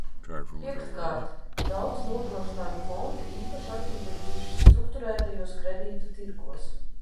Piektkārt, daudzi nodrošinājuma fondi īpaši aktīvi ir bijuši strukturētajos kredītu tirgos.